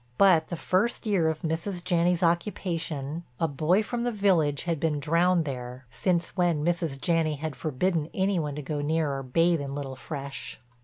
But the first year of Mrs. Janney's occupation a boy from the village had been drowned there, since when Mrs. Janney had forbidden any one to go near or bathe in Little Fresh.